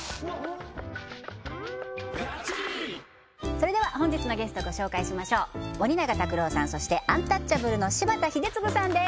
それでは本日のゲストご紹介しましょう森永卓郎さんそしてアンタッチャブルの柴田英嗣さんです